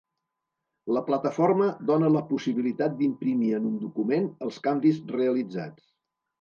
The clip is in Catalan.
La plataforma dona la possibilitat d'imprimir en un document els canvis realitzats.